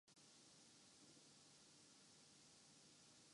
آج یہ ثابت کیا جا رہا ہے کہ نوازشریف گاڈ فادر ہے۔